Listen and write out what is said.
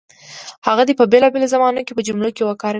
هغه دې په بېلابېلو زمانو کې په جملو کې وکاروي.